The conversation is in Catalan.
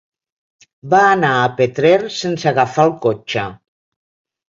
Va anar a Petrer sense agafar el cotxe.